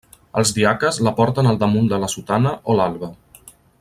Els diaques la porten al damunt de la sotana o l'alba.